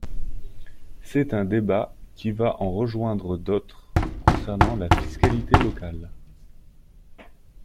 C’est un débat qui va en rejoindre d’autres concernant la fiscalité locale.